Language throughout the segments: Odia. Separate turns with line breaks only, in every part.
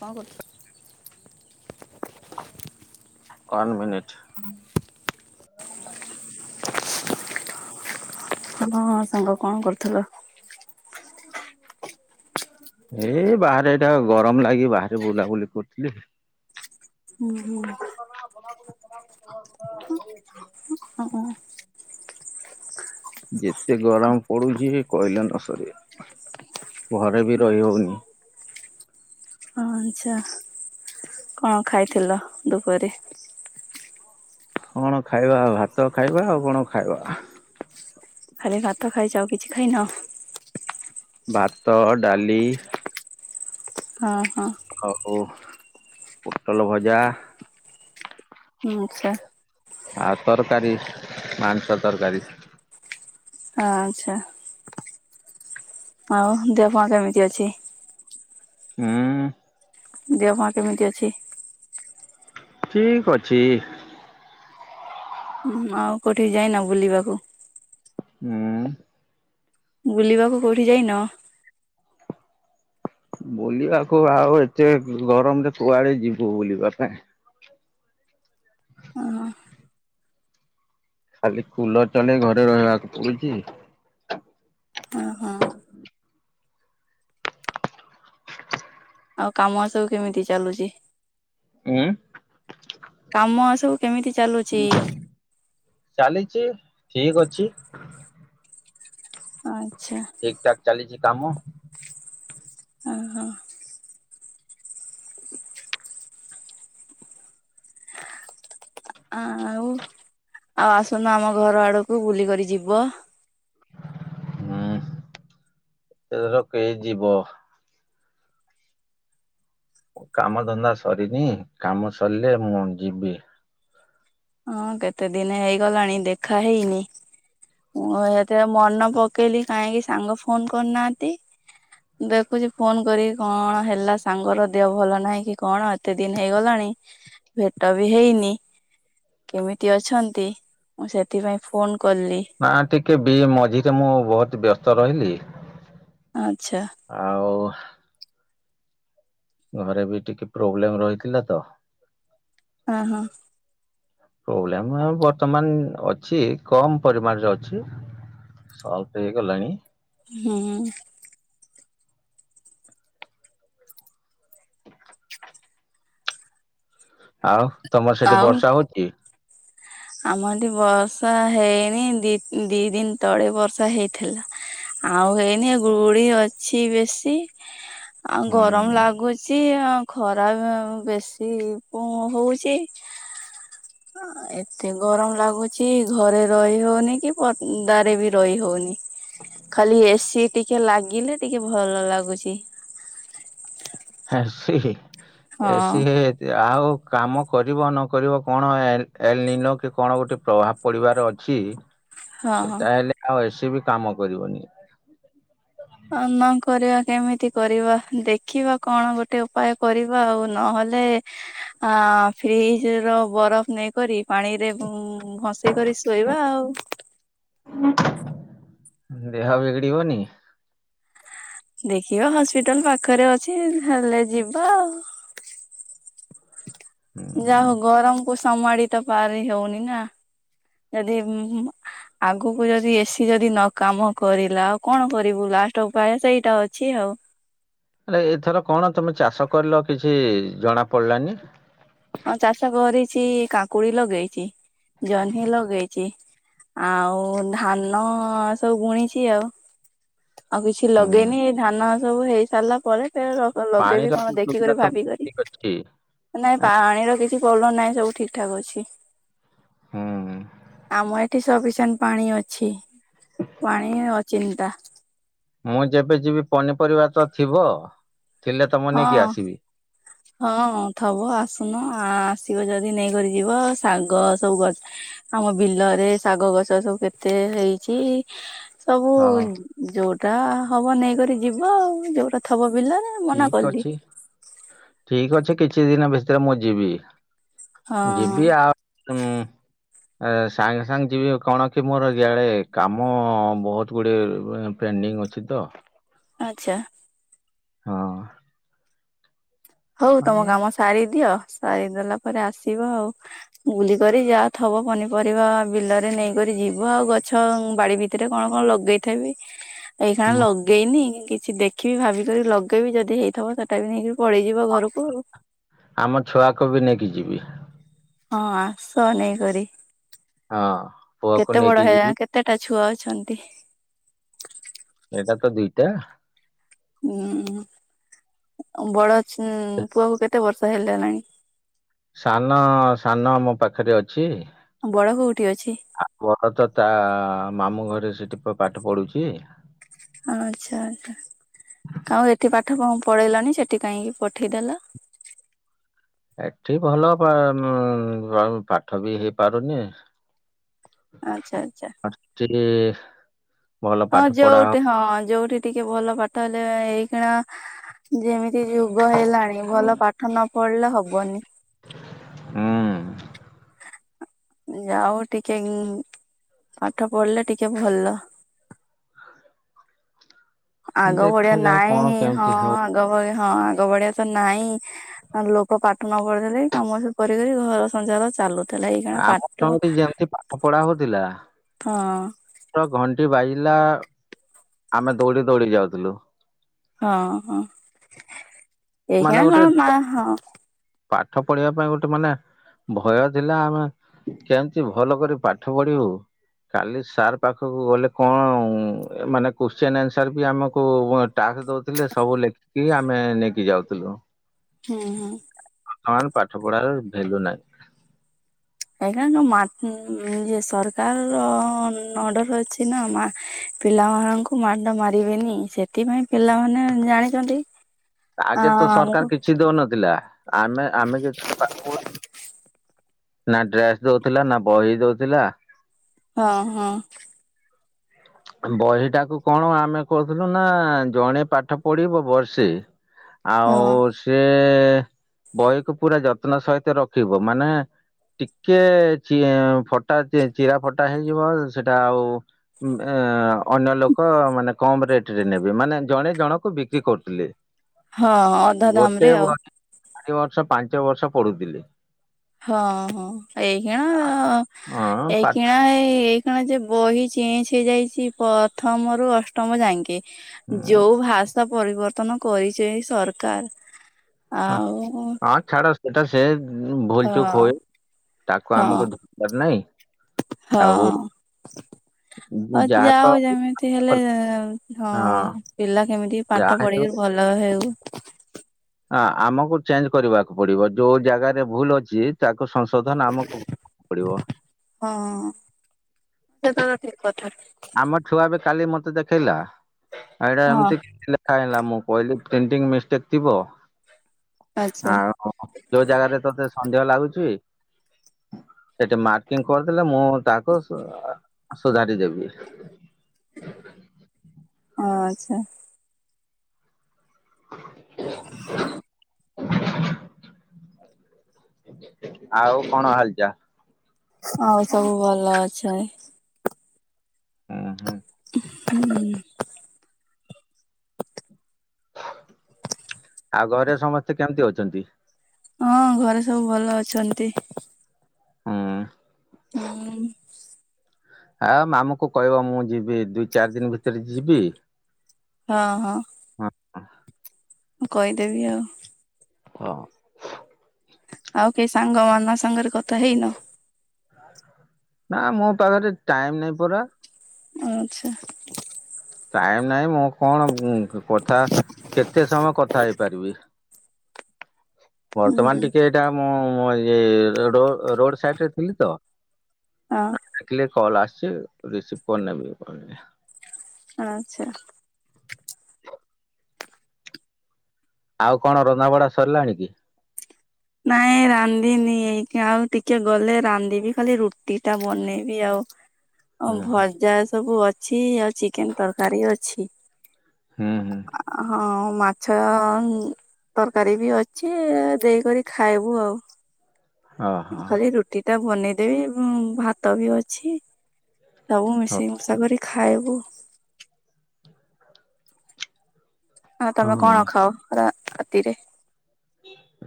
କଣ କରୁଛ?
କଣ ମିନିଟ୍
[inaudible] ଉଁ ହଁଁ ସାଙ୍ଗ କଣ କରୁଥିଲ?
ଏଇ ବାହାରେ ଏଇଟା ଗରମ ଲାଗି ବାହାରେ ବୁଲାବୁଲି କରୁଥିଲି।
ହୁଁ ହୁଁ।
[unintelligible]
[unintelligible]
ଯେତେ ଗରମ ପଡୁଛି କହିଲେ ନ ସରେ ଘରେ ବି ରହି ହଉନି।
ଆଁଛା କଣ ଖାଇଥିଲ ଦୁପରେ।
କଣ ଖାଇବା ଭାତ ଖାଇବା ଆଉ କଣ ଖାଇବା।
ଖାଲି ଭାତ ଖାଇଛ ଆଉ କିଛି ଖାଇନ।
ଭାତ ଡାଲି
ହଁ ହଁ।
ଆଉ ପୋଟୋଲ ଭଜା।
ହଁ ଆଚ୍ଛା।
ଆଉ ତରକାରୀ ମାଂସ ତରକାରୀ।
ହ ଆଚ୍ଛା। ଆଉ ଦେହ କେମିତି ଅଛି।
ହୁଁ।
ଦେହ କେମିତି ଅଛି?
ଠିକ ଅଛି।
ହୁଁ ଆଉ କୋଉଠିକି ଯାଇନ ବୁଲିବାକୁ।
ହୁଁ।
ବୁଲିବାକୁ କଉଠି ଯାଇନ।
ବୁଲିବାକୁ ଆଉ ଏତେ ଗରମରେ କୁଆଡେ ଯିବୁ ବୁଲିବା ପାଇଁ।
ଅ ହଁ।
ଖାଲି କୁଲର ଚଲେଇ ଘରେ ରହିବାକୁ ପଡୁଛି।
ହଁ ହଁ ଆଉ କାମ ସବୁ କେମିତି ଚାଲୁଛି।
ଉଁ।
କାମ ସବୁ କେମିତି ଚାଲୁଛି?
ଚାଲିଛି ଠିକ ଅଛି।
ଆଚ୍ଛା।
ଠିକ ଠାକ ଚାଲିଛି କାମ।
ହ ହଁ। ଆ ଆଉ ଆଉ ଆସୁନ ଆମ ଘର ଆଡକୁ ବୁଲିକରି ଯିବ।
ହୁଁ ଏଥର କେ ଯିବ। କାମ ଧନ୍ଦା ସରିନି କାମ ସରିଲେ ମୁଁ ଯିବି।
ହଁ କେତେ ଦିନ ହେଇଗଲାଣି ଦେଖା ହେଇନି। ମୁଁ ଏତେ ମନ ପକେଇଲି କାହିଁକି ସାଙ୍ଗ ଫୋନ କରି ନାହାନ୍ତି। ଦେଖୁଛି ଫୋନ କରି କଣ ହେଲା ସାଙ୍ଗର ଦେହ ଭଲ ନାହିଁ କି କଣ ଏତେ ଦିନ ହେଇଗଲାଣି। ଭେଟ ବି ହେଇନି। କେମିତି ଅଛନ୍ତି ସେଥିପାଇଁ ଫୋନ କଲି।
ନା ଟିକେ ବି ମଝିରେ ମୁଁ ବହୁତ ବ୍ୟସ୍ତ ରହିଲି।
ଆଚ୍ଛା।
ଆଉ ଘରେ ବି ଟିକେ ପ୍ରୋବ୍ଲେମ ରହିଥିଲା ତ।
ହଁ ହଁ।
ପ୍ରୋବ୍ଲେମ ଆଉ ବର୍ତ୍ତମାନ ଅଛି କମ ପରିମାଣରେ ଅଛି। ସଲଫ ହେଇ ଗଲାଣି।
ହୁଁ।
ଆଉ ତମର ସେଠି
ଆଉ
ବର୍ଷା ହଉଚି?
ଆମ ଏଠି ବସା ହେଇନି ଦି ଦି ଦିନ ତଳେ ବର୍ଷା ହେଇଥିଲା। ଆଉ ହେଇନି ଗୁଡି ଅଛି ବେଶୀ ଆଉ ଗରମ
ହୁଁ
ଲାଗୁଚି ଆ ଖରା ଅ ବେଶୀ ହଉଚି। ଏତେ ଗରମ ଲାଗୁଚି। ଘରେ ରହି ହଉନି କି ପଦାରେ ବି ରହି ହଉନି ଖାଲି ଏସି ଟିକେ ଲାଗିଲେ ଟିକେ ଭଲ ଲାଗୁଚି।
ଏସି
ହଁ
ଏସି ହେ। ଆଉ କାମ କରିବ ନ କରିବ କଣ ଏ ନିନ କି କଣ ଗୋଟେ ପ୍ରଭାବ ପଡିବାର ଅଛି
ହଁ ହଁ।
ସେଟା ହେେଲେ ଆଉ ଏସି ବି କାମ କରିବନି।
ଅ ନ କରିବା କେମିତି କରିବା ଦେଖିବା କଣ ଗୋଟେ ଉପାୟ କରିବା ଆଉ ନହେଲେ ଆ ଫ୍ରିଜ ର ବରଫ ନେଇକରି ପାଣି ରେ ଭସ କରି ଶୋଇବା ଆଉ।
ଦେହ ବିଗିଡିବନି?
ଦେଖିବା ହସ୍ପିଟାଲ ପାଖରେ ଅଛି ହେଲେ ଯିବା ଆଉ। ଯା
ହୁଁ
ହଉ ଗରମକୁ ସମାଳି ତ ପାରି ହଉନି ନା ଯଦି ଉମ୍ ଆଗୁକୁ ଯଦି ଏସି ଯଦି ନ କାମ କରିଲା ଆଉ କଣ କରିବୁ ଲାଷ୍ଟ ଉପାୟ ସେଇଟା ଅଛି ଆଉ।
ହେଲେ ଏଥର କଣ ତମେ ଚାଷ କରିଲ କିଛି ଜଣା ପଡିଲାନି।
ହଁ ଚାଷ କରିଛି କାକୁଡି ଲଗେଇଚି ଜହ୍ନି ଲଗେଇଚି ଆଉ ଧାନ ସବୁ ବୁଣିଛି ଆଉ। ଆଉ କିଛି
ହୁଁ।
ଲଗେଇନି ଧାନ ସବୁ ହେଇ ସାରିଲା ପରେ [unintelligible]
ପାଣିର
ଲଗେଇବି
ବି
କଣ
ସୁବିଧା
ଦେଖିକରି
ତ
ଭାବିିକରି।
ଠିକ ଅଛି
ନାଇଁ ପା-ଣିର କିଛି ପ୍ରୋବ୍ଲେମ୍ ନାହିଁ ସବୁ ଠିକ୍ ଠାକ୍ ଅଛି।
ହୁଁ।
ଆମ ଏଠି ସପିସେଣ୍ଟ୍ ପାଣି ଅଛି ପାଣି ଅଚିନ୍ତା।
ମୁଁ ଯେବେ ଯିବି ପନିପରିବା ତ ଥିବ? ଥିଲେ ତମୁଁ ନେଇକି
ହଁ
ଆସିବି।
ହଁ ଥବ ଆସୁନ ଆ-ସିବ ଯଦି ନେଇକରି ଯିବ ଶାଗ ସବୁ ଗ ଆମ ବିଲରେ ଶାଗ ଗଛ ସବୁ କେତେ ହେଇଚି। ସବୁ
ହଁ।
ଯୋଉଟା ହବ ନେଇକରି ଯିବ ଆଉ ଯୋଉଟା ଥବ ବିଲରେ ମନା
ଠିକ
କଲି
ଅଛି ଠିିକ୍ ଅଛି କିଛି ଦିନ ଭିତରେ ମୁଁ ଯିବି।
ହଁ
ଯିବି ଆଉ। ଆ ସାଙ୍ଗ୍ ସାଙ୍ଗ୍ ଯିବି କଣ କି ମୋର ଇଆଡେ କାମ ବହୁତ ଗୁଡେ ପେଣ୍ଡିଙ୍ଗ୍ ଅଛି ତ।
ଆଚ୍ଛା।
ହଁ।
ହଉ ତମ
ହଁ।
କାମ ସାରି ଦିଅ ସାରିଦେଲା ପରେ ଆସିବ ଆଉ। ବୁଲିିକରି ଯାହା ଥବ ପନିପରିବା ବିଲରେ ନେଇକରି ଯିବ ଆଉ ଗଛ ବାଡି ଭି ଭିତରେ କଣ କଣ ଲଗେଇଥେବି ଏଇ ଖାନା ଲଗେଇନି କିଛି ଦେଖିବି ଭାବିିକରି ଲଗେଇବି ଯଦି ହେଇଥିବ ସେଟା ବି ନେଇକି ପଳେଇ ଯିବ ଘରକୁ ଆଉ।
ଆମ ଛୁଆକୁ ବି ନେଇକି ଯିବି।
ହଁ ଆସ ନେଇକରି।
ହଁ। ପୁଅକୁ
କେତେ ବଡ
ନେଇକି ଯିବି
ହେଗଲାଣି କେତେଟା ଛୁଆ ଅଛନ୍ତି?
ଏଇଟା ତ ଦିଟା।
ହୁଁ ବଡ ଅଛି ପୁଅକୁ କେତେ ବର୍ଷ ହେଲାନାଇ।
ସାନ ସାନ ଆମ ପାଖେରେ ଅଛି
ବଡ କୋଉଠି ଅଛି?
ଆ ବଡ ତ ତା ମାମୁଁ ଘରେ ସେଠି ପାଠ ପଢୁଚି।
ଆଚ୍ଛା ଆଚ୍ଛା ଆଉ ଏଠି ପାଠ କଣ ପଢେଇଲଣିି ସେଠି କାହିଁକି ପଠେଇଦେଲ?
ଏଠି ଭଲ ପା-ପାଠ ବି ହେଇ ପାରୁନି।
ଆଚ୍ଛା ଆଚ୍ଛା।
ଆଚୁଲି
ହଁ ଯୋଉଠି ହଁ ଯୋଉଠି ଟିକେ ଭଲ ପାଠ ହେଲେ ଏଇଖିଣା ଯେମିତି ଯୁଗ ହେଲାଣି ଭଲ ପାଠ ନ ପଢିଲେ ହବନି।
ହୁଁ।
ଯାଉ ଟିକେ ପାଠ ପଢିଲେ ଟିକେ ଭଲ। ଆଗ ଭଳିଆ
ଦେଖାଯାଉ କଣ
ନାଇଁ ହଁ
କେମିତି ହଉ
ଆଗ ହଁ ଆଗ ଭଳିଆ ତ ନାଇଁ। ଲୋକ ପାଠ ନ ପଢିଲେ ନାଇଁ କାମ ସବୁ କରିବେ ଘର ସଂଞ୍ଚାର ଚାଲୁ।
ଆମ ତଠିଁ ଯେମିତି ପାଠ ପଢା ହଉଥିଲା
ହଁ
ତ ଘଣ୍ଟି ବାଜିଲା ଆମେ ଦୌଡି ଦୌଡି ଯାଉଥୁଲୁ।
ହଁ ହଁ
ମାନେ
ଏଇଖିଣା
ଗୋଟେ
କଣ ମା ହଁ
ପାଠ ପଢିବା ପାଇଁ ଗୋଟେ ମାନେ ଭୟ ଥିଲା ଆମେ କେମିତି ଭଲ କରି ପାଠ ପଢିବୁ କାଲି ସାର୍ ପାଖକୁ ଗଲେ କଣ ମାନେ କୋଶ୍ଚିନ ଆନ୍ସର ବି ଆମକୁ ଟାସ୍ ଦଉଥିଲେ ସବୁ ଲେଖିକି ଆମେ ନେଇକି ଯାଉଥିଲୁ।
ହୁଁ ହୁଁ।
ହଁ ଆନ ପାଠ ପଢାର ଭେଲ୍ୟୁ ନାହିଁ।
[inaudible] ସରକାର ର ଅର୍ଡର ଅଛି ନା ମା ପିଲାମାନାନଙ୍କୁ ମାଡ ମାରିବେନି ସେଥିପାଇଁ ପିଲାମାନେ ଜାଣିଚନ୍ତି।
ଆଗେ ତ ସରକାର କିଛି ଦଉନଥିଲା ଆମେ ଆମେ ଯେତେଳେ ପା
[inaudible]
ନା ଡ୍ରେସ୍ ଦଉଥିଲା ନା ବହି ଦଉଥିଲା।
ହଁ ହଁ।
ବହିଟାକୁ କଣ ଆମେ କହୁଥିଲୁ ନା ଜଣେ ପାଠ ପଢିବ ବର୍ଷେ
[inaudible]
ଆଉ ସେ ବହିକୁ ପୁରା ଯତ୍ନ ସହିତ ରଖିବ। ମାନେ ଟିକେ ଫଟା ଚିରା ଫଟା ହେଇଯିବ ସେଟା ଆଉ ଏ ଅନ୍ୟ ଲୋକ ମାନେ କମ ରେଟ ରେ ନେବେ। ମାନେ ଜଣେ ଜଣକୁ ବିକ୍ରି କରୁଥିଲେ।
ହଁ ଅଧା ଦାମ
ଗୋଟେ
ରେ ଆଉ
ବହି ଚାରି ବର୍ଷ ପାଞ୍ଚ ବର୍ଷ ପଢୁଥିଲି।
ହଁ ହଁ ଏଇ କିଣା
ହଁ ପାଠ
ଏଇକଣା ଏଇ କଣ ଯେ ବହି ଚେଞ୍ଜ ହେଇଯାଇଛି ପ୍ରଥମ ରୁ ଅଷ୍ଟମ ଯାଙ୍କେ।
ଉଁ
ଯୋଉ ଭାଷା ପରିବର୍ତ୍ତନ କରିଛ ଏଇ ସରକାର
ହଁ
ଆଉ
ହଁ ଛାଡ଼ ସେଟା ସେ ଭୁଲ ଚୁକ୍ ହୁଏ ତାକୁ
ହଁ
ଆମକୁ ଧରିବାର ନ ନାହିଁ। ଆଉ
ହଁ ହଉ
ଯାହା ତ
ଯାଉ ଯେମିତି ହେଲେ
ହଁ
ହଁ ପିଲା କେମିତି
ଯାହା
ପାଠ
ହେଲେ
ପଢିକି ଭଲ ଭଲ ହେଉ
ହ ଆମକୁ ଚେଞ୍ଜ କରିବାକୁ ପଡିବ ଯୋଉ ଜାଗାରେ ଭୁଲ ଅଛି ଚାକ ସଂଶୋଧନ ଆମକୁ ପଡିବ।
ହଁ ସେଟ ତ ଠିକ କଥା।
ଆମ ଛୁଆ ବି କାଲି ମତେ ଦେଖେଇଲା ଆଉ ଏଇଟା
ହଁ
ଏମତି କିଛି [unintelligible] ା ହେଲା ମୁଁ କହିଲି ପ୍ରିଣ୍ଟିଂ ମିଷ୍ଟେକ୍ ଥିବ।
ଆଚ୍ଛା।
ଆଉ ହଁ ଯୋଉ ଜାଗାରେ ତତେ ସନ୍ଦେହ ଲାଗୁଛି ସେଠି ମାର୍କିଂ କରିଥିଲେ ମୁଁ ତାହାକୁ ସୁଧାରିଦେବି।
ଓ ଆଚ୍ଛା।
ହ
[inaudible]
ଆଉ କଣ ହାଲଚାଲ।
ହଉ ସବୁ ଭଲ ଅଛେ।
ହୁଁ ହୁଁ
ହ
ଆଉ ଘରେ ସମସ୍ତେ କେମିତି ଅଛନ୍ତି?
ହଁ ଘରେ ସବୁ ଭଲ ଅଛନ୍ତି।
ହଁ
ହୁଁ
ହଁ ମାମୁ କ କହିବ ମୁଁ ଯିବି ଦିଇ ଚାରି ଦିନ ଭିତରେ ଯିବି।
ହଁ ହଁ
ହ
ମୁଁ କହିଦେବି ଆଉ।
ହଁ
ଆଉ କେହି ସାଙ୍ଗ ମ ସାଙ୍ଗରେ କଥା ହେଇନ?
ନା ମୋ ପାଖରେ ଟାଇମ ନାଇଁ ପରା।
ଆଚ୍ଛା
ଟାଇମ ନାହିଁ ମୁଁ କଣ କଥା କେତେ ସମୟ କଥା ହେଇପାରିବି।
ହୁଁ
ବର୍ତ୍ତମାନ
ହଁ
ଟିକେ ଏଇଟା ମୁଁ ରୋଡ ସାଇଡରେ ଥିଲି ତ।
ହଁ
ଆିଲ କଲ୍ ଆସଛି ରିସିଭ କରିନେବି କହିଲି।
ଆଛା
ଆଉ କଣ ରନ୍ଧା ବଢା ସରିଲାଣି କି?
ନାଇଁ ରାନ୍ଧିନି ଏଇ ଆଉ ଟିକେ ଗଲେ ରାନ୍ଧିବି ଖାଲି ରୁଟି ଟା ବନେଇବି ଆଉ।
ହୁଁ
ଭଜା ସବୁ ଅଛି ଆଉ ଚିକେନ ତରକାରୀ ଅଛି।
ହୁଁ ହୁଁ।
ହଁ ମାଛ ତରକାରୀ ବି ଅଛି, ଦେଇକରି ଖାଇବୁ ଆଉ।
ଓହୋ।
ଖାଲି ରୁଟି ଟା ବନେଇଦେବି ଭାତ ବି ଅଛି। ସବୁ ମିଶି ମୁଶା କରି ଖାଇବୁ। ହ ତମେ
ହଁ
କଣ ଖାଅ ରା ରାତିରେ?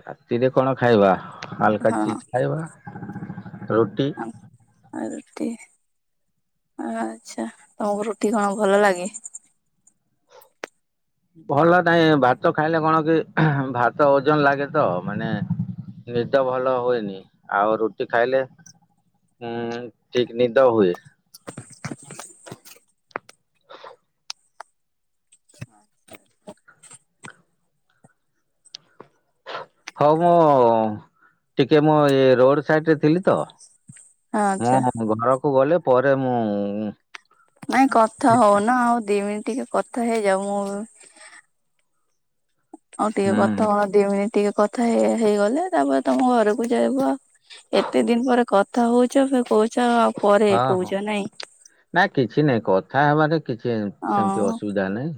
ରାତିରେ କଣ ଖାଇବା ହାଲକା
ହଁ
ଚିଜ ଖାଇବା ରୁଟି।
ଆ ରୁଟି। ଆଚ୍ଛା ତମକୁ ରୁଟି କଣ ଭଲ ଲାଗେ?
ଭଲ ନାଇଁ ଭାତ ଖାଇଲେ କଣ କି ଭାତ ଓଜନ ଲାଗେ ତ ମାନେ ନିଦ ଭଲ ହୁଏନି ଆଉ ରୁଟି ଖାଇଲେ ହୁଁ ଠିକ ନିଦ ହୁଏ।
ଆଛା।
ହଉ ମୁଁ ଟିକେ ମୁଁ ଇ ରୋଡ ସାଇଡ ରେ ଥିଲି ତ
ଆଚ୍ଛା
ମୁଁ ଘରକୁ ଗଲେ ପରେ ମୁଁ
ନାଇଁ କଥା ହଉନ ଆଉ ଦି ମିନଟ ଟିକେ କଥା ହେଇଯାଉ ମୁଁ ଆଉ ଟିକେ
ହୁଁ
କଥା କଣ ଦି ମିନିଟ ଟିକେ କ କଥା ହେଇଗଲେ ତାପରେ ତମ ଘରକୁ ଯାଇବ ଏତେ ଦିନ ପରେ କଥା ହଉଛ କହୁ ଛ ପରେ କହୁଛ ନାଇଁ।
ନାଇ କିଛି ନାହିଁ କଥା ହେବାରେ କିଛି ସେମିତି
ହଁ
ଅସୁବିଧା ନାହିଁ,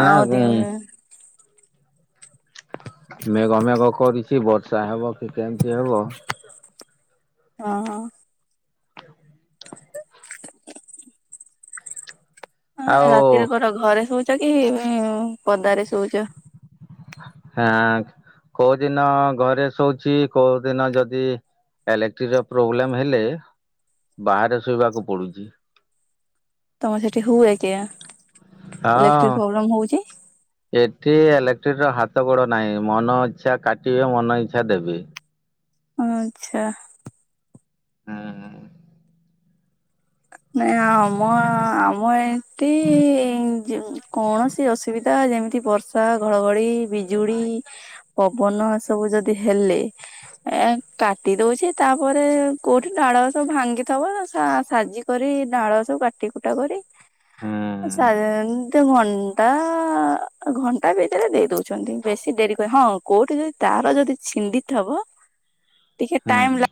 ମାନେ
ଆଉ ଦି
[inaudible] ମେଘ ମେଘ କରିଛି ବର୍ଷା ହେବ କି କେମିତି ହେବ।
ହଁ। ହ
ଆଉ
ରାତିରେ କର ଘରେ ଶୋଉଚ କି ପଦାରେ ଶୋଉଚ?
ହଁ କୋଉଦିନ ଘରେ ଶଉଛି କୋଉ ଦିନ ଯଦି ଇଲେକ୍ଟ୍ରି ର ପ୍ରୋବ୍ଲେମ ହେଲେ ବାହାରେ ଶୋଇବାକୁ ପଡୁଛି।
ତମେ ସେଠି ହୁଏ କିଆ?
ହଁ।
ଇଲେକ୍ଟ୍ରିକ ପ୍ରୋବ୍ଲେମ ହଉଛି
ଏଠି ଇଲେକ୍ଟ୍ରୀ ର ହାତ ଗୋଡ ନାହିଁ ମନ ଇଚ୍ଛା କାଟିବେ ମନ ଇଚ୍ଛା ଦେବେ।
ଆଛା।
ହଁ।
ନାଇଁ ଆମ ଆମ ଏତି କୌଣ କିଛି ଅସୁବିଧା ଯେମିତି ବର୍ଷା ଘଡଘଡି ବିଜୁଳି ପବନ ଏ ସବୁ ଯଦି ହେଲେ ଏ କାଟି ଦଉଛି ତାପରେ କୋଉଠି ଡାଳ ସବୁ ଭାଙ୍ଗିଥବ ଆ ସାଜି କରି ଡାଳ ସବୁ କାଟି କୁଟା କରି
ହୁଁ
[unintelligible] ଗୋଟେ ଘଣ୍ଟା ଘଣ୍ଟା ଭିତରେ ଦେଇ ଦଉଛନ୍ତି ବେଶୀ ଡେରି କ ହଁ। କୋଉଠି ଯଦି ତାର ଯଦି ଛିଣ୍ଡି ଥିବ ଟିକେ
ହୁଁ
ଟାଇମ
ହୁଁ
ଲା